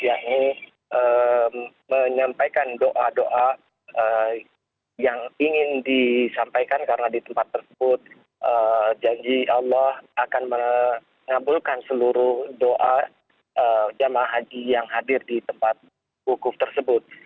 yakni menyampaikan doa doa yang ingin disampaikan karena di tempat tersebut janji allah akan mengabulkan seluruh doa jamaah haji yang hadir di tempat wukuf tersebut